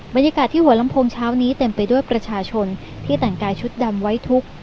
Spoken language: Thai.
บรรยากาศที่หัวลำโพงเช้านี้เต็มไปด้วยประชาชนที่แต่งกายชุดดำไว้ทุก